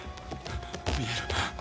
見える。